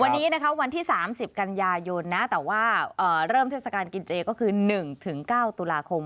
วันนี้นะคะวันที่๓๐กันยายนนะแต่ว่าเริ่มเทศกาลกินเจก็คือ๑๙ตุลาคม